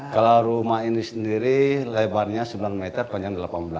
kalau rumah ini sendiri lebarnya sembilan meter panjang delapan belas